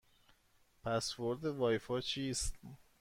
پسورد وای فای چیست؟